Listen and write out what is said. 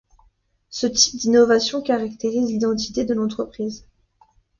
Ce type d'innovation caractérise l'identité de l'entreprise.